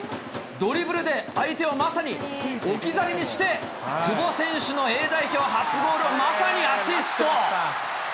ドリブルで相手をまさに置き去りにして、久保選手のＡ代表初ゴール、まさにアシスト。